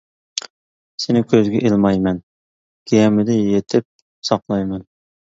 سېنى كۆزگە ئىلمايمەن، گەمىدە يېتىپ ساقلايمەن.